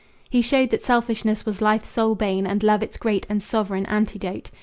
He showed that selfishness was life's sole bane And love its great and sovereign antidote.